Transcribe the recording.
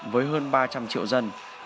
với hơn ba trăm linh triệu dân